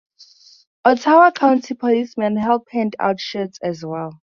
Ottawa County policemen helped hand out shirts as well.